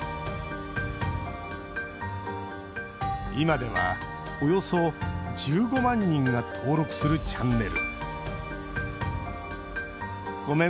今では、およそ１５万人が登録するチャンネル。